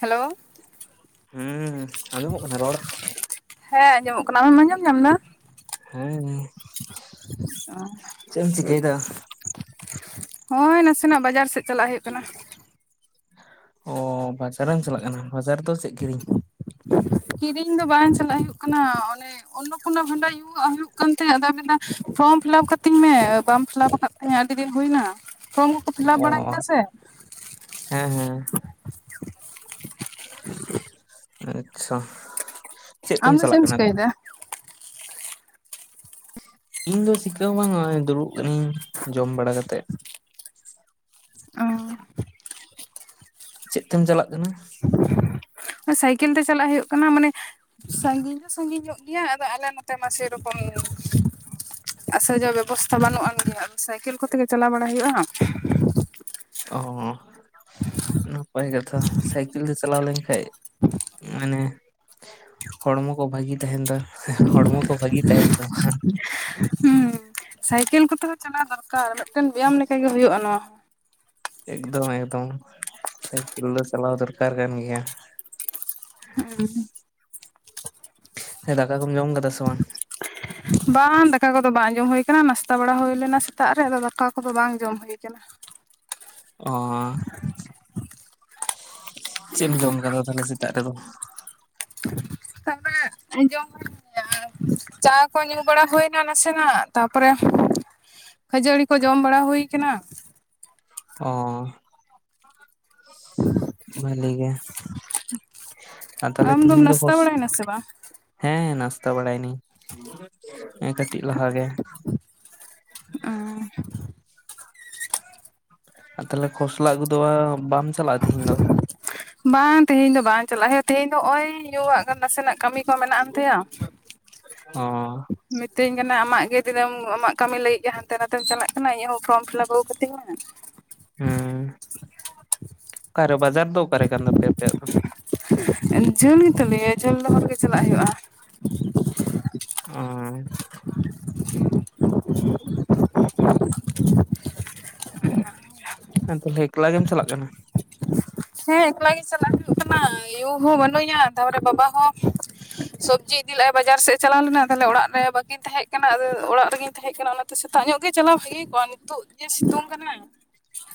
Hello ᱦᱩᱸᱻ ᱟᱡᱚᱢᱚᱜ ᱠᱟᱱᱟ ᱨᱚᱲ? ᱦᱮᱸ ᱟᱡᱚᱢᱚᱜ ᱠᱟᱱᱟ ᱟᱢᱮᱢ ᱟᱡᱚᱢ ᱦᱮᱸ ᱪᱮᱫ ᱮᱢ ᱪᱤᱠᱟᱹᱭᱮᱫᱟ? [unintelligible] ᱚ [unintelligible] [unintelligible] ᱦᱚᱻᱭ ᱱᱟᱥᱮᱱᱟᱜ ᱵᱟᱡᱟᱨ ᱥᱮᱫ ᱪᱟᱞᱟᱜ ᱦᱩᱭᱩᱜ ᱠᱟᱱᱟ᱾ ᱚᱻ ᱵᱟᱡᱟᱨ ᱮᱢ ᱪᱟᱞᱟᱜ ᱠᱟᱱᱟ ᱵᱟᱡᱟᱨ ᱫᱚ ᱪᱮᱫ ᱠᱤᱨᱤᱧ? ᱠᱤᱨᱤᱧ ᱫᱚ ᱵᱟᱝ ᱪᱟᱞᱟᱜ ᱦᱩᱭᱩᱜ ᱠᱟᱱᱟ ᱚᱱᱮ ᱚᱱᱚ ᱯᱷᱚᱱᱟ ᱯᱷᱚᱱᱰᱟ [unintelligible] ᱦᱩᱭᱩᱜ ᱠᱟᱱ ᱛᱟᱦᱮ ᱟᱫᱚᱭ ᱢᱮᱱᱫᱟ ᱯᱷᱚᱨᱚᱢ ᱯᱷᱤᱞᱟᱯ ᱠᱟᱛᱤᱧ ᱢᱮ ᱵᱟᱢ ᱯᱷᱤᱞᱟᱯ ᱟᱠᱟᱫ ᱛᱟᱦᱮ ᱟᱹᱰᱤ ᱫᱤᱱ ᱦᱩᱭᱱᱟ [unintelligible] ᱚ ᱵᱟᱲᱟᱭᱮᱫᱟ ᱥᱮ ᱦᱮᱸ ᱦᱮᱸ [unintelligible] ᱟᱪᱪᱷᱟ ᱪᱮᱫ ᱛᱮᱢ ᱟᱢ ᱫᱚ ᱪᱟᱞᱟᱜ ᱪᱮᱢ ᱠᱟᱱᱟ? ᱪᱤᱠᱟᱹ ᱮᱫᱟ? ᱤᱧ ᱫᱚ ᱪᱤᱠᱟᱹ ᱦᱚᱸ ᱵᱟᱝ ᱫᱩᱲᱩᱵ ᱟᱠᱟᱹᱱᱤᱧ ᱡᱚᱢ ᱵᱟᱲᱟ ᱠᱟᱛᱮᱜ᱾ ᱪᱮᱫ ᱛᱮᱢ ᱪᱟᱞᱟᱜ ᱠᱟᱱᱟ? ᱥᱟᱭᱠᱮᱞ ᱛᱮ ᱪᱟᱞᱟᱜ ᱦᱩᱭᱩᱜ ᱠᱟᱱᱟ ᱢᱟᱱᱮ ᱥᱟᱺᱜᱤᱧ ᱫᱚ ᱥᱟᱺᱜᱤᱧ ᱧᱚᱜ ᱜᱮᱭᱟ ᱟᱫᱚ ᱟᱞᱮ ᱱᱚᱛᱮ ᱢᱟ ᱥᱮ ᱨᱚᱠᱚᱢ [unintelligible] [unintelligible] ᱵᱮᱵᱚᱥᱛᱷᱟ ᱵᱟᱹᱱᱩᱜ ᱟᱱ ᱜᱮ ᱥᱟᱭᱠᱮᱞ ᱠᱚᱛᱮ ᱜᱮ ᱪᱟᱞᱟᱣ ᱵᱟᱲᱟ ᱦᱩᱭᱩᱜ-ᱟ ᱾ ᱚᱦᱚᱸ ᱾ ᱱᱟᱯᱟᱭ ᱜᱮ ᱛᱷᱚ ᱥᱟᱭᱠᱮᱞ ᱛᱮ ᱪᱟᱞᱟᱣ ᱞᱮᱱᱠᱷᱟᱡ ᱢᱟᱱᱮ ᱦᱚᱲᱢᱚ ᱠᱚ ᱵᱷᱟᱹᱜᱤ ᱛᱟᱦᱮᱱ ᱫᱚ ᱦᱚᱲᱢᱚ ᱠᱚ ᱵᱷᱟᱹᱜᱤ ᱛᱟᱦᱮᱱ ᱛᱟᱢᱟ ᱾ ᱦᱩᱸ ᱥᱟᱭᱠᱮᱞ ᱠᱚᱛᱮ ᱦᱚᱸ ᱪᱟᱞᱟᱣ ᱫᱚᱨᱠᱟᱨ ᱢᱤᱫᱴᱮᱱ ᱵᱮᱭᱟᱢ ᱞᱮᱠᱟᱜᱮ ᱦᱩᱭᱩᱜ-ᱟ ᱱᱚᱣᱟ ᱦᱚᱸ ᱾ ᱮᱠᱫᱚᱢ ᱮᱠᱫᱚᱢ ᱥᱟᱭᱠᱮᱞ ᱫᱚ ᱪᱟᱞᱟᱣ ᱫᱚᱨᱠᱟᱨ ᱠᱟᱱ ᱜᱮᱭᱟ ᱾ [unintelligible] ᱦᱮᱸ ᱫᱟᱠᱟ ᱠᱚᱢ ᱡᱚᱢ ᱟᱠᱟᱫᱟ ᱥᱮ ᱵᱟᱝ ᱾ ᱵᱟᱝ ᱫᱟᱠᱟ ᱠᱚ ᱫᱚ ᱵᱟᱝ ᱡᱚᱢ ᱦᱩᱭ ᱟᱠᱟᱱᱟ ᱱᱟᱥᱛᱟ ᱵᱟᱲᱟ ᱦᱩᱭ ᱞᱮᱱᱟ ᱥᱮᱛᱟᱜ ᱨᱮ ᱟᱫᱚ ᱫᱟᱠᱟ ᱠᱚᱫᱚ ᱵᱟᱝ ᱡᱚᱢ ᱦᱩᱭ ᱟᱠᱟᱱᱟ ᱾ ᱚᱸᱻᱻ ᱾ ᱪᱮᱫ ᱮᱢ ᱡᱚᱢ ᱟᱠᱟᱫᱟ ᱛᱟᱦᱚᱞᱮ ᱥᱮᱛᱟᱜ ᱨᱮ ᱫᱚ ᱾ ᱟᱫᱚ ᱡᱚᱢ ᱦᱚᱭᱩᱜ ᱜᱮᱭᱟ ᱾ ᱪᱟ ᱠᱚ ᱧᱩ ᱵᱟᱲᱟ ᱦᱩᱭ ᱮᱱᱟ ᱱᱟᱥᱮᱱᱟᱜ ᱛᱟᱯᱚᱨᱮ ᱠᱷᱟᱹᱡᱟᱹᱲᱤ ᱠᱚ ᱡᱚᱢ ᱵᱟᱲᱟ ᱦᱩᱭ ᱟᱠᱟᱱᱟ ᱾ ᱚᱸᱻ ᱵᱷᱟᱹᱞᱤ ᱜᱮ ᱾ ᱟᱨ ᱛᱟᱦᱚᱞᱮ ᱟᱢ ᱫᱚᱢ ᱛᱤᱦᱤᱧ ᱫᱚ ᱱᱟᱥᱛᱟ ᱵᱳᱥ ᱵᱟᱲᱟᱭᱮᱱᱟ ᱥᱮ ᱵᱟᱝ ᱦᱮᱸ ᱱᱟᱥᱛᱟ ᱵᱟᱲᱟ ᱮᱱᱤᱧ ᱠᱟᱹᱴᱤᱡ ᱞᱟᱦᱟ ᱜᱮ ᱾ ᱚᱸ ᱾ ᱟᱨ ᱛᱟᱦᱚᱞᱮ ᱠᱷᱚᱥᱞᱟ ᱟᱹᱜᱩ ᱫᱚ ᱵᱟᱢ ᱪᱟᱞᱟᱜ-ᱟ ᱛᱮᱦᱤᱧ ᱫᱚ ᱾ ᱵᱟᱝ ᱛᱮᱦᱮᱧ ᱫᱚ ᱵᱟᱝ ᱪᱟᱞᱟᱜ ᱦᱩᱭᱩᱜ-ᱟ ᱛᱮᱦᱮᱧ ᱫᱚ ᱱᱚᱜ ᱚᱭ ᱧᱩᱟᱜ ᱠᱟᱱ ᱱᱟᱥᱮᱱᱟᱜ ᱠᱟᱹᱢᱤ ᱠᱚ ᱢᱮᱱᱟᱜ ᱟᱱ ᱛᱟᱭᱟ ᱾ ᱦᱚᱸ ᱢᱤᱛᱟᱹᱧ ᱠᱟᱱᱟᱭ ᱟᱢᱟᱜ ᱜᱮ ᱫᱤᱱᱟᱹᱢ ᱟᱢᱟᱜ ᱠᱟᱹᱢᱤ ᱞᱟᱹᱜᱤᱫ ᱜᱮ [unintelligible] ᱦᱟᱱᱛᱮ ᱱᱷᱟᱛᱮᱢ ᱪᱟᱞᱟᱜ ᱠᱟᱱᱟ ᱤᱧᱟᱹᱜ ᱦᱚᱸ ᱯᱷᱚᱨᱚᱢ ᱯᱷᱤᱞᱟᱯ ᱟᱹᱜᱩ ᱠᱟᱹᱛᱤᱧ ᱢᱮ ᱾ ᱦᱩᱸ ᱚᱠᱟᱨᱮ ᱵᱟᱡᱟᱨ ᱫᱚ ᱚᱠᱟᱨᱮ ᱠᱟᱱ ᱛᱟᱯᱮᱭᱟ ᱟᱯᱮᱭᱟᱜ ᱫᱚ ᱾ [unintelligible] ᱡᱷᱟᱹᱞ ᱜᱮ ᱛᱟᱞᱮᱭᱟ ᱡᱷᱟᱹᱞ ᱫᱚ ᱚᱨᱦᱚᱸ ᱜᱮ ᱪᱟᱞᱟᱜ ᱦᱩᱭᱩᱜ-ᱟ ᱾ ᱚᱸ [inaudible] ᱦᱮᱸ ᱛᱟᱦᱚᱞᱮ ᱮᱠᱞᱟ ᱜᱮᱢ ᱪᱟᱞᱟᱜ ᱠᱟᱱᱟ ᱾ ᱦᱮᱸ ᱮᱠᱞᱟ ᱜᱮ ᱪᱟᱞᱟᱜ ᱦᱩᱭᱩᱜ ᱠᱟᱱᱟ ᱭᱩ ᱦᱚᱸ ᱵᱟᱹᱱᱩᱜᱮᱭᱟ ᱛᱟᱨᱯᱚᱨᱮ ᱵᱟᱵᱟ ᱦᱚᱸ ᱥᱚᱵᱽᱡᱤ ᱤᱫᱤ ᱞᱮᱜᱟᱭ ᱵᱟᱡᱟᱨ ᱥᱮᱫ ᱮ ᱪᱟᱞᱟᱣ ᱞᱮᱱᱟ ᱛᱟᱦᱚᱞᱮ ᱚᱲᱟᱜ ᱨᱮ ᱵᱟᱠᱤᱱ ᱛᱟᱦᱮᱸ ᱠᱟᱱᱟ, ᱟᱫᱚ ᱚᱲᱟᱜ ᱨᱮᱜᱤᱧ ᱛᱟᱦᱮᱸ ᱠᱟᱱᱟ᱾ [unintelligible] ᱛᱚ ᱥᱮᱛᱟᱜ ᱧᱚᱜ ᱜᱮ ᱪᱟᱞᱟᱣ ᱵᱷᱟᱜᱤ ᱠᱚᱜ-ᱟ ᱱᱤᱛᱚᱜ ᱡᱮ ᱥᱤᱛᱩᱝ ᱠᱟᱱᱟ ᱾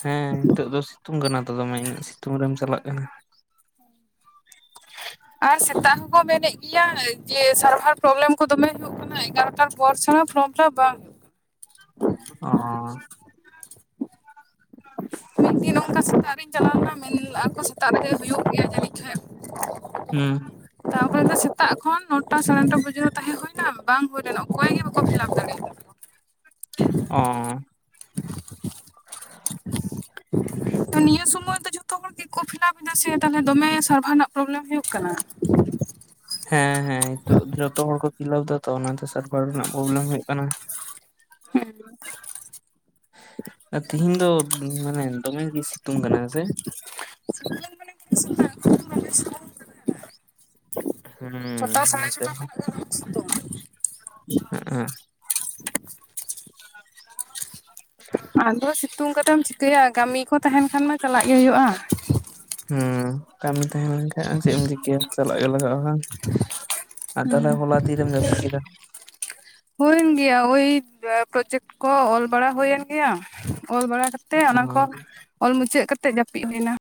ᱦᱮᱸ ᱱᱤᱛᱚᱜ ᱫᱚ ᱥᱤᱛᱩᱝ ᱠᱟᱱᱟ ᱛᱚ ᱫᱚᱢᱮ ᱤᱱᱟᱹᱜ ᱥᱤᱛᱩᱝ ᱨᱮᱢ ᱪᱟᱞᱟᱜ ᱠᱟᱱᱟ ᱾ ᱟᱨ ᱥᱮᱛᱟᱜ ᱦᱚᱸᱠᱚ ᱢᱮᱱᱮᱫ ᱜᱮᱭᱟ ᱡᱮ ᱥᱟᱨᱵᱷᱟᱨ ᱯᱚᱨᱚᱵᱞᱮᱢ ᱠᱚ ᱫᱚᱢᱮ ᱦᱩᱭᱩᱜ ᱦᱮᱸ ᱮᱜᱟᱨᱚᱴᱟ ᱯᱚᱨ ᱪᱷᱟᱲᱟ ᱯᱷᱚᱨᱚᱢ ᱯᱷᱤᱞᱟᱯ ᱵᱟᱝ ᱦᱩᱭᱩᱜ ᱚᱦ ᱢᱤᱫ ᱫᱤᱱ ᱱᱚᱠᱟ ᱥᱮᱛᱟᱜ ᱨᱤᱧ ᱪᱟᱞᱟᱣ ᱞᱮᱱᱟ, ᱢᱮᱱ ᱞᱟᱠᱚ ᱥᱮᱛᱟᱜ ᱨᱮᱜᱮ ᱦᱩᱭᱩᱜ ᱜᱮᱭᱟ ᱡᱟᱹᱱᱤᱡ ᱠᱷᱟᱱ᱾ ᱦᱩᱸ ᱛᱟᱯᱚᱨᱮ ᱫᱚ ᱥᱮᱛᱟᱜ ᱠᱷᱚᱱ ᱱᱚᱴᱟ ᱥᱟᱲᱮ ᱱᱚᱴᱟ ᱵᱟᱡᱟᱨ ᱨᱮ ᱛᱟᱦᱮᱸ ᱦᱩᱭᱱᱟ ᱵᱟᱝ ᱦᱩᱭ ᱞᱮᱱᱟ, ᱚᱠᱚᱭ ᱜᱮ ᱵᱟᱠᱚ ᱯᱷᱤᱞᱟᱯ ᱫᱟᱲᱮᱭᱟᱜ ᱠᱟᱱᱟ ᱾ ᱚᱸ [inaudible] [inaudible] ᱛᱚ ᱱᱤᱭᱟᱹ ᱥᱚᱢᱚᱭ ᱫᱚ ᱡᱷᱚᱛᱚ ᱦᱚᱲ ᱜᱮᱠᱚ ᱯᱷᱤᱞᱟᱯ ᱮᱫᱟ ᱥᱮ ᱛᱟᱦᱚᱞᱮ ᱫᱚᱢᱮ ᱥᱟᱨᱵᱷᱟᱨ ᱨᱮᱱᱟᱜ ᱯᱚᱨᱚᱵᱞᱮᱢ ᱦᱩᱭᱩᱜ ᱠᱟᱱᱟ ᱾ ᱦᱮᱸ ᱦᱮᱸ ᱱᱤᱛᱚᱜ ᱡᱚᱛᱚ ᱦᱚᱲ ᱠᱚ ᱯᱷᱤᱞᱟᱯ ᱮᱫᱟ ᱛᱚ ᱚᱱᱟᱛᱮ ᱥᱟᱨᱵᱷᱟᱨ ᱨᱮᱱᱟᱜ ᱯᱚᱨᱚᱵᱞᱮᱢ ᱦᱩᱭᱩᱜ ᱠᱟᱱᱟ ᱾ ᱦᱮᱸ ᱟᱨ ᱛᱮᱦᱤᱧ ᱫᱚ ᱢᱟᱱᱮ ᱫᱚᱢᱮ ᱜᱮ ᱥᱤᱛᱩᱝ ᱠᱟᱱᱟ ᱦᱮᱸᱥᱮ ᱾ ᱥᱮᱛᱟᱜ ᱠᱷᱚᱱ [unintelligible] ᱦᱩᱸ ᱪᱷᱚᱴᱟ ᱥᱟᱲᱮ ᱱᱚᱛᱮ ᱪᱷᱚᱴᱟ ᱦᱚᱸ ᱠᱷᱚᱱᱟᱜ ᱜᱮ ᱫᱚᱢᱮ [unintelligible] ᱟᱪᱪᱷᱟ [unintelligible] ᱟᱫᱚ ᱥᱤᱛᱩᱝ ᱠᱟᱛᱮᱢ ᱪᱤᱠᱟᱹᱭᱟ ᱠᱟᱹᱢᱤ ᱠᱚ ᱛᱟᱦᱮᱱ ᱠᱷᱟᱱ ᱢᱟ ᱪᱟᱞᱟᱜ ᱜᱮ ᱦᱩᱭᱩᱜ-ᱟ ᱾ ᱦᱩᱸ ᱠᱟᱹᱢᱤ ᱛᱟᱦᱮᱸ ᱞᱮᱱ ᱠᱷᱟᱱ ᱪᱮᱫ ᱮᱢ ᱪᱤᱠᱟᱹᱭᱟ ᱪᱟᱞᱟᱜ ᱜᱮ ᱞᱟᱜᱟᱜ-ᱟ ᱵᱟᱝ᱾ ᱟᱨ ᱛᱟᱦᱚᱞᱮ ᱦᱚᱞᱟ ᱛᱤᱨᱮᱢ ᱡᱟᱹᱯᱤᱫ ᱠᱮᱫᱟ ᱾ ᱦᱩᱭᱮᱱ ᱜᱮᱭᱟ, ᱳᱭ ᱯᱨᱚᱡᱮᱠᱴ ᱠᱚ ᱚᱞ ᱵᱟᱲᱟ ᱦᱩᱭᱮᱱ ᱜᱮᱭᱟ ᱾ ᱚᱞ ᱵᱟᱲᱟ ᱠᱟᱛᱮ ᱚ ᱚᱱᱟ ᱠᱚ ᱚᱞ ᱢᱩᱪᱟᱹᱫ ᱠᱟᱛᱮ ᱡᱟᱹᱯᱤᱫ ᱦᱩᱭᱱᱟ ᱾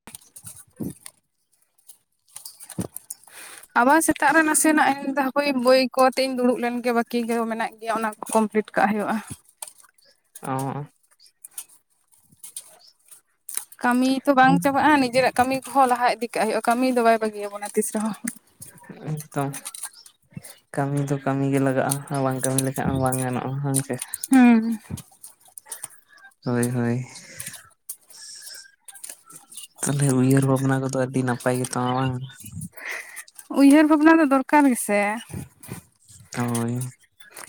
ᱟᱵᱟᱨ ᱥᱮᱛᱟᱜ ᱨᱮ ᱱᱟᱥᱮ ᱱᱟᱜ [unintelligible] ᱵᱳᱭ ᱠᱚᱛᱮ ᱤᱧ ᱫᱩᱲᱩᱵ ᱞᱮᱱ ᱜᱮ ᱵᱟᱠᱤ ᱜᱮ ᱢᱮᱱᱟᱜ ᱜᱮᱭᱟ, ᱚᱱᱟ ᱠᱚ ᱠᱚᱢᱯᱤᱞᱤᱴ ᱠᱟᱜ ᱦᱩᱭᱩᱜᱼᱟ ᱾ ᱚ ᱠᱟᱹᱢᱤ ᱛᱚ ᱵᱟᱝ ᱪᱟᱵᱟᱜᱼᱟ, ᱱᱤᱡᱮᱨᱟᱜ ᱠᱟᱹᱢᱤ ᱠᱚᱦᱚᱸ ᱞᱟᱦᱟ ᱤᱫᱤ ᱠᱟᱜ ᱦᱩᱭᱩᱜᱼᱟ, ᱠᱟᱹᱢᱤ ᱫᱚ ᱵᱟᱭ ᱵᱟᱹᱜᱤᱭᱟᱵᱚᱱᱟ ᱛᱤᱥ ᱨᱮᱦᱚᱸ ᱾ ᱮᱠᱫᱚᱢ, ᱠᱟᱹᱢᱤ ᱫᱚ ᱠᱟᱹᱢᱤ ᱜᱮ ᱞᱟᱜᱟᱜᱼᱟ ᱾ ᱵᱟᱝ ᱠᱟᱹᱢᱤ ᱞᱮᱠᱷᱟᱡ ᱦᱚᱸ ᱵᱟᱝ ᱜᱟᱱᱚᱜᱼᱟ ᱾ ᱦᱩᱸ ᱾ ᱦᱳᱭ ᱦᱳᱭ ᱾ ᱛᱟᱦᱚᱞᱮ ᱩᱭᱦᱟᱹᱨ ᱵᱷᱟᱵᱽᱱᱟ ᱠᱚᱫᱚ ᱟᱹᱰᱤ ᱱᱟᱯᱟᱭ ᱜᱮ ᱛᱟᱢᱟ ᱵᱟᱝ? ᱩᱭᱦᱟᱹᱨ ᱵᱷᱟᱵᱽᱱᱟ ᱫᱚ ᱫᱚᱨᱠᱟᱨ ᱜᱮᱥᱮ ᱾ ᱦᱳᱭ ᱾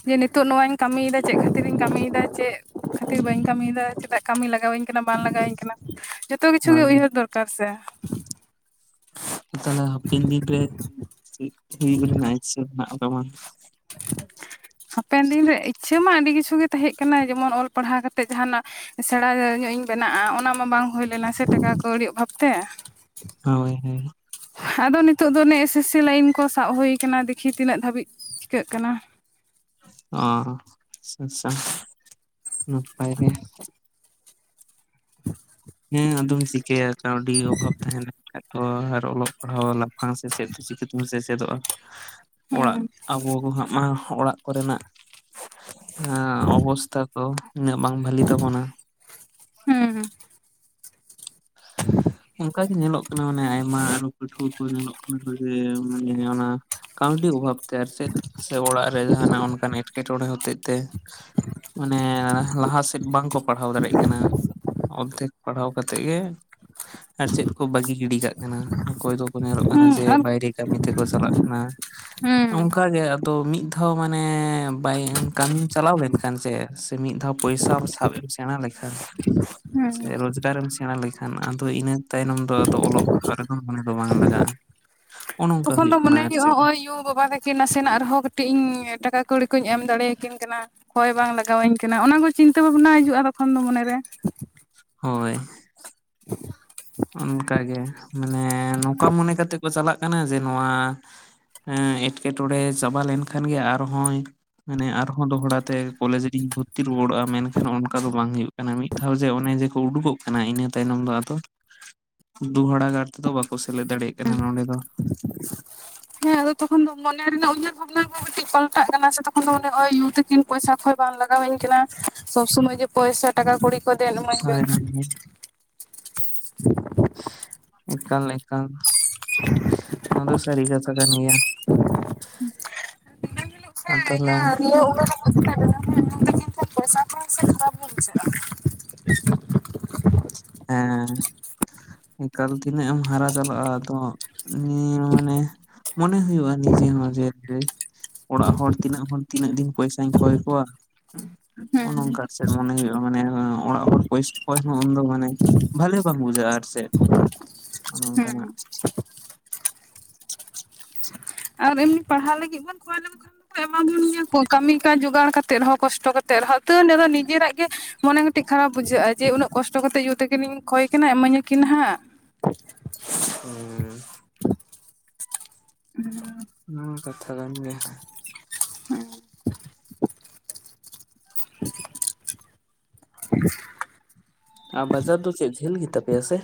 ᱡᱮ ᱱᱤᱛᱚᱜ ᱱᱚᱣᱟᱧ ᱠᱟᱹᱢᱤᱭᱮᱫᱟ, ᱪᱮᱫ ᱠᱷᱟᱹᱛᱤᱨᱤᱧ ᱠᱟᱹᱢᱤᱭᱮᱫᱟ? ᱪᱮᱫ ᱠᱷᱟᱹᱛᱤᱨ ᱵᱟᱹᱧ ᱠᱟᱹᱢᱤᱭᱮᱫᱟ? ᱪᱮᱫᱟᱜ? ᱠᱟᱹᱢᱤ ᱞᱟᱜᱟᱣᱤᱧ ᱠᱟᱱᱟ ᱵᱟᱝ ᱞᱟᱜᱟᱣᱟᱹᱧ ᱠᱟᱱᱟ, ᱡᱚᱛᱚ ᱠᱤᱪᱷᱩ ᱜᱮ ᱦᱳᱭ ᱩᱭᱦᱟᱹᱨ ᱫᱚᱨᱠᱟᱨ ᱥᱮ ᱾ ᱛᱟᱦᱚᱞᱮ ᱦᱟᱯᱮᱱ ᱫᱤᱱ ᱨᱮ ᱪᱮᱫ ᱦᱩᱭᱩᱜ ᱨᱮᱱᱟᱜ ᱤᱪᱷᱟᱹ ᱢᱮᱱᱟᱜ ᱛᱟᱢ? ᱦᱟᱯᱮᱱ ᱫᱤᱱ ᱨᱮ ᱤᱪᱷᱟᱹ ᱢᱟ ᱟᱹᱰᱤ ᱠᱤᱪᱷᱩ ᱜᱮ ᱛᱟᱦᱮᱸ ᱠᱟᱱᱟ, ᱡᱮᱢᱚᱱ ᱚᱞ ᱯᱟᱲᱦᱟᱣ ᱠᱟᱛᱮ ᱡᱟᱦᱟᱸᱱᱟᱜ ᱥᱮᱬᱟ ᱧᱚᱜ ᱤᱧ ᱵᱮᱱᱟᱜᱼᱟ, ᱚᱱᱟ ᱢᱟ ᱵᱟᱝ ᱦᱩᱭ ᱞᱮᱱᱟ ᱥᱮ ᱴᱟᱠᱟ ᱠᱟᱹᱲᱤᱭᱟᱜ ᱚᱵᱷᱟᱵᱛᱮ ᱾ ᱦᱳᱭ ᱦᱳᱭ ᱾ ᱟᱫᱚ ᱱᱤᱛᱚᱜ ᱫᱚ ᱚᱱᱮ ᱮᱥᱮᱥᱥᱤ ᱞᱟᱹᱭᱤᱱ ᱠᱚ ᱥᱟᱵ ᱦᱩᱭ ᱟᱠᱟᱱᱟ, ᱫᱮᱠᱷᱤ ᱛᱤᱱᱟᱹᱜ ᱫᱷᱟᱹᱵᱤᱡ ᱪᱤᱠᱟᱹᱜ ᱠᱟᱱᱟ ᱾ ᱚᱸ, ᱟᱪᱪᱷᱟ, ᱟᱪᱪᱷᱟ, ᱱᱟᱯᱟᱭ ᱜᱮ ᱾ ᱦᱮᱸ, ᱟᱫᱚᱢ ᱪᱤᱠᱟᱹᱭᱟ ᱠᱟᱹᱣᱰᱤ ᱚᱵᱷᱟᱵ ᱛᱟᱦᱮᱱᱟ ᱠᱷᱟᱡ ᱫᱚ ᱟᱨ ᱚᱞᱚᱜ ᱯᱟᱲᱦᱟᱣ ᱵᱟᱝ ᱥᱮᱪᱮᱫ ᱛᱮ ᱪᱤᱠᱟᱹ ᱛᱮᱵᱚᱱ ᱥᱮᱪᱮᱫᱚᱜᱼᱟ? ᱦᱮᱸ ᱚᱲᱟᱜ ᱦᱩᱸ ᱟᱵᱚ ᱠᱚ ᱦᱟᱸᱜ ᱢᱟ ᱚᱲᱟᱜ ᱠᱚᱨᱮ ᱱᱟᱜ ᱦᱮᱸ, ᱚᱵᱚᱽᱥᱛᱷᱟ ᱠᱚ ᱩᱱᱟᱹᱜ ᱵᱟᱝ ᱵᱷᱟᱹᱞᱤ ᱛᱟᱵᱚᱱᱟ ᱾ ᱦᱩᱸᱻ ᱾ [inaudible] ᱚᱱᱠᱟ ᱜᱮ ᱧᱮᱞᱚᱜ ᱠᱟᱱᱟ, ᱢᱟᱱᱮ ᱟᱭᱢᱟ ᱯᱟᱹᱴᱷᱩᱣᱟᱹ ᱠᱚ ᱧᱮᱞᱚᱜ ᱠᱟᱱᱟ ᱡᱮ ᱢᱟᱱᱮ ᱠᱟᱹᱣᱰᱤ ᱚᱵᱷᱟᱵᱽ ᱛᱮ ᱟᱨ ᱪᱮᱫ ᱥᱮ ᱚᱲᱟᱜ ᱨᱮ ᱡᱟᱦᱟᱸᱱᱟᱜ ᱚᱱᱠᱟᱱ ᱮᱸᱴᱠᱮ-ᱴᱚᱬᱮ ᱦᱚᱛᱮᱡᱽ ᱛᱮ? ᱢᱟᱱᱮ ᱞᱟᱦᱟ ᱥᱮᱫ ᱵᱟᱝ ᱠᱚ ᱯᱟᱲᱦᱟᱣ ᱫᱟᱲᱮᱭᱟᱜ ᱠᱟᱱᱟ᱾ ᱚᱨᱫᱷᱮᱠ ᱯᱟᱲᱦᱟᱣ ᱠᱟᱛᱮ ᱜᱮ ᱟᱨ ᱪᱮᱫ ᱠᱚ ᱵᱟᱹᱜᱤ ᱜᱤᱰᱤ ᱠᱟᱜ ᱠᱟᱱᱟ? ᱚᱠᱚᱭ ᱠᱚᱠᱚ ᱧᱮᱞᱚᱜ ᱦᱩᱸ ᱠᱟᱱᱟ ᱡᱮ ᱟᱨ ᱵᱟᱭᱨᱮ ᱠᱟᱹᱢᱤ ᱛᱮᱠᱚ ᱪᱟᱞᱟᱜ ᱠᱟᱱᱟ ᱾ ᱦᱩᱸ ᱚᱱᱠᱟ ᱜᱮ ᱟᱫᱚ ᱢᱤᱫ ᱫᱷᱟᱹᱣ ᱢᱟᱱᱮ ᱵᱟᱭ ᱠᱟᱹᱢᱤᱢ ᱪᱟᱹᱞᱟᱣ ᱞᱮᱱ ᱠᱷᱟᱱ ᱥᱮ ᱥᱮ ᱢᱤᱫ ᱫᱷᱟᱹᱣ ᱯᱚᱭᱥᱟᱢ ᱥᱟᱵᱽ ᱮᱢ ᱥᱮᱬᱟ ᱞᱮᱠᱷᱟᱱ, ᱦᱩᱸ ᱥᱮ ᱨᱳᱡᱽᱜᱟᱨᱮ ᱮᱢ ᱥᱮᱬᱟ ᱞᱮᱠᱷᱟᱱ ᱟᱫᱚ ᱤᱱᱟᱹ ᱛᱟᱭᱱᱚᱢ ᱫᱚ ᱟᱹᱫᱚ ᱚᱞᱚᱜ ᱯᱟᱲᱦᱟᱜ ᱨᱮᱫᱚ ᱢᱚᱱᱮ ᱫᱚ ᱵᱟᱝ ᱞᱟᱜᱟᱜᱼᱟ ᱾ ᱛᱚᱠᱷᱚᱱ ᱫᱚ ᱢᱚᱱᱮ ᱦᱩᱭᱩᱜᱼᱟ, ᱱᱚᱜᱼᱚᱭ ᱚᱭᱩ ᱵᱟᱵᱟ ᱜᱮ ᱠᱤᱱ ᱱᱟᱥᱮ ᱱᱟᱜ ᱨᱮᱦᱚᱸ ᱠᱟᱹᱴᱤᱡ ᱤᱧ ᱴᱟᱠᱟ ᱠᱟᱹᱣᱲᱤ ᱠᱚᱧ ᱮᱢ ᱫᱟᱲᱮᱭᱼᱟ ᱠᱤᱱ ᱠᱟᱱᱟ ᱾ ᱦᱚᱭ ᱵᱟᱝ ᱞᱟᱜᱟᱣᱟᱹᱧ ᱠᱟᱱᱟ᱾ ᱚᱱᱟ ᱠᱚ ᱪᱤᱱᱛᱟᱹ ᱵᱷᱟᱵᱽᱱᱟ ᱦᱤᱡᱩᱜᱼᱟ, ᱛᱚᱠᱷᱚᱱ ᱫᱚ ᱢᱚᱱᱮ ᱨᱮ ᱾ ᱦᱳᱭ ᱾ [inaudible] ᱚᱱᱠᱟ ᱜᱮ ᱢᱟᱱᱮ ᱱᱚᱝᱠᱟ ᱢᱚᱱᱮ ᱠᱟᱛᱮ ᱠᱚ ᱪᱟᱞᱟᱜ ᱠᱟᱱᱟ ᱡᱮ ᱱᱚᱣᱟ ᱮᱸ ᱮᱸᱴᱠᱮ-ᱴᱚᱬᱮ ᱪᱟᱵᱟ ᱞᱮᱱ ᱠᱷᱟᱱ ᱜᱮ ᱟᱨᱦᱚᱸᱭ ᱢᱟᱱᱮ ᱟᱨᱦᱚᱸ ᱫᱚᱦᱲᱟ ᱛᱮ ᱠᱚᱞᱮᱡᱽ ᱨᱤᱧ ᱵᱷᱩᱨᱛᱤ ᱨᱩᱣᱟᱹᱲᱚᱜᱼᱟ, ᱢᱮᱱᱠᱷᱟᱱ ᱚᱱᱠᱟ ᱫᱚ ᱵᱟᱝ ᱦᱩᱭᱩᱜ ᱠᱟᱱᱟ ᱾ ᱢᱤᱫ ᱫᱷᱟᱹᱣ ᱡᱮ ᱚᱱᱮ ᱡᱮ ᱠᱚ ᱩᱰᱩᱠᱚᱜ ᱠᱟᱱᱟ, ᱤᱱᱟᱹ ᱛᱟᱭᱱᱚᱢ ᱫᱚ ᱟᱫᱚ ᱫᱩᱦᱟᱲᱟ ᱜᱟᱨ ᱛᱮᱫᱚ ᱵᱟᱠᱚ ᱥᱮᱞᱮᱫ ᱫᱟᱲᱮᱭᱟᱜ ᱠᱟᱱᱟ ᱱᱚᱰᱮ ᱫᱚ ᱾ [inaudible] ᱦᱮᱸ ᱟᱫᱚ ᱛᱚᱠᱷᱚᱱ ᱫᱚ ᱢᱚᱱᱮ ᱨᱮᱱᱟᱜ ᱩᱭᱦᱟᱹᱨ ᱵᱷᱟᱵᱽᱱᱟ ᱦᱚᱸ ᱢᱤᱫᱴᱤᱡ ᱯᱟᱞᱴᱟᱜ ᱠᱟᱱᱟ, ᱛᱚᱠᱷᱚᱱ ᱫᱚ ᱛᱤᱠᱤᱱ ᱯᱚᱭᱥᱟᱹ ᱠᱷᱚᱡ ᱵᱟᱝ ᱞᱟᱜᱟᱣ ᱟᱹᱧ ᱠᱟᱱᱟ, ᱥᱚᱵᱽ ᱥᱚᱢᱚᱭ ᱜᱮ ᱯᱚᱭᱥᱟᱹ ᱴᱟᱠᱟ-ᱠᱩᱲᱤ ᱠᱚ ᱫᱮᱱ ᱤᱢᱟᱹᱧ ᱵᱮᱱ ᱦᱳᱭ ᱾ ᱦᱳᱭ ᱮᱠᱟᱞ, [unintelligible] [unintelligible] ᱱᱚᱣᱟ ᱫᱚ ᱥᱟᱹᱨᱤ ᱠᱟᱛᱷᱟ ᱠᱟᱱ ᱜᱮᱭᱟ ᱾ ᱦᱮᱸ ᱤᱧ ᱱᱤᱭᱟᱹ ᱩᱢᱟᱨ ᱢᱮᱱᱫᱤᱧ ᱠᱷᱟᱱ ᱯᱚᱭᱥᱟᱹ ᱠᱚᱸᱭ ᱥᱮ ᱠᱷᱟᱹᱨᱟᱯ ᱧᱚᱜ ᱵᱩᱡᱷᱟᱜᱼᱟ ᱾ ᱦᱮᱸ ᱾ ᱮᱠᱟᱞ ᱛᱤᱱᱟᱹᱜ ᱮᱢ ᱦᱟᱨᱟ ᱪᱟᱞᱟᱜᱼᱟ, ᱟᱫᱚᱢ ᱱᱤᱭᱟᱹ ᱢᱟᱱᱮ ᱢᱚᱱᱮ ᱦᱩᱭᱩᱜᱼᱟ᱾ ᱱᱤᱡᱮ ᱦᱚᱸ ᱡᱮ ᱠᱟᱡᱽ ᱚᱲᱟᱜ ᱦᱚᱲ ᱛᱤᱱᱟᱹᱜ ᱦᱚᱲ ᱛᱤᱱᱟᱹᱜ ᱫᱤᱱ ᱯᱚᱭᱥᱟᱧ ᱠᱚᱸᱭ ᱠᱚᱣᱟ? ᱦᱚᱜ-ᱚ ᱦᱩᱸ ᱱᱚᱝᱠᱟ ᱥᱮᱫ ᱢᱚᱱᱮ ᱦᱩᱭᱩᱜᱼᱟ᱾ ᱢᱟᱱᱮ ᱚᱲᱟᱜ ᱦᱚᱲ ᱯᱚᱭᱥᱟ ᱠᱚᱭ ᱩᱱ ᱫᱚ ᱢᱟᱱᱮ ᱵᱷᱟᱞᱮ ᱵᱟᱝ ᱵᱩᱡᱷᱟᱹᱜᱼᱟ, ᱟᱨ ᱪᱮᱫ ᱚᱱᱮ ᱚᱝᱠᱟ ᱦᱩᱸ ᱱᱟᱜ᱾ ᱟᱨ ᱮᱢᱱᱤ ᱯᱟᱲᱦᱟᱣ ᱞᱟᱹᱜᱤᱜ ᱵᱚᱱ ᱠᱷᱚᱭ ᱞᱮᱠᱚ ᱠᱷᱟᱱ ᱠᱚ ᱮᱢᱟᱵᱚᱱ ᱜᱮᱭᱟ ᱠᱚ᱾ ᱠᱟᱹᱢᱤ ᱠᱟᱡ ᱡᱚᱜᱟᱲ ᱠᱟᱛᱮᱜ ᱨᱮᱦᱚᱸ ᱠᱚᱥᱴᱚ ᱠᱟᱛᱮᱜ ᱨᱮᱦᱚᱸ᱾ ᱛᱟᱹᱨᱮᱦᱚᱸ ᱱᱤᱡᱮᱨᱟᱜ ᱜᱮ ᱢᱚᱱᱮ ᱠᱟᱹᱴᱤᱡ ᱠᱷᱟᱨᱟᱯ ᱵᱩᱡᱷᱟᱹᱜᱼᱟ, ᱡᱮ ᱩᱱᱟᱹᱜ ᱠᱚᱥᱴᱚ ᱠᱟᱛᱮᱜ ᱭᱩ ᱛᱟᱹ ᱠᱤᱱᱤᱧ ᱠᱷᱚᱭ ᱠᱤᱱᱟ᱾ ᱤᱢᱟᱹᱧ ᱟᱹᱠᱤᱱ ᱦᱟᱸᱜ᱾ ᱦᱩᱸ᱾ [inaudible] ᱦᱩᱸ, ᱠᱟᱛᱷᱟ ᱠᱟᱱ ᱜᱮ᱾ ᱦᱮᱸ [unintelligible] [inaudible] ᱟ ᱵᱟᱡᱟᱨ ᱫᱚ ᱪᱮᱫ ᱡᱷᱟᱹᱞ ᱜᱮ ᱛᱟᱯᱮᱭᱟ ᱥᱮ?